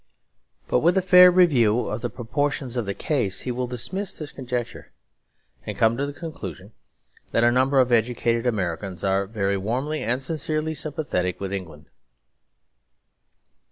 But with a fair review of the proportions of the case he will dismiss this conjecture, and come to the conclusion that a number of educated Americans are very warmly and sincerely sympathetic with England.